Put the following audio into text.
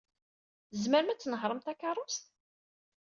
Tzemrem ad tnehṛem takeṛṛust?